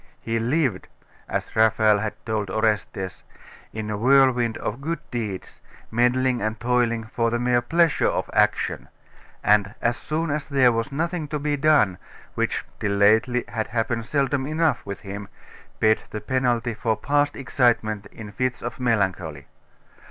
He lived, as Raphael had told Orestes, in a whirlwind of good deeds, meddling and toiling for the mere pleasure of action; and as soon as there was nothing to be done, which, till lately, had happened seldom enough with him, paid the penalty for past excitement in fits of melancholy.